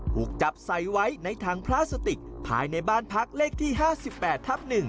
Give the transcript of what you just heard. ถูกจับใส่ไว้ในถังพลาสติกภายในบ้านพักเลขที่๕๘ทับ๑